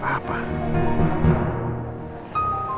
tadi bukan apa apa